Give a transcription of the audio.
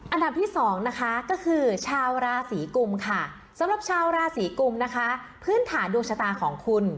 อันดับที่๒นะคะก็คือชาวราศีกุมค่ะสำหรับชาวราศีกุมนะคะพื้นฐานดวงชะตาของคุณ